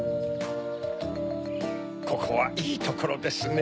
ここはいいところですね。